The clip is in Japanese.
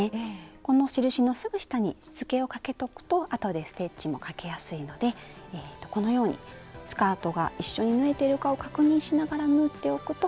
この印のすぐ下にしつけをかけとくとあとでステッチもかけやすいのでこのようにスカートが一緒に縫えてるかを確認しながら縫っておくときれいに仕上がると思います。